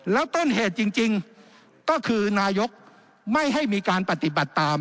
แล้วต้นเหตุจริงก็คือนายกไม่ให้มีการปฏิบัติตาม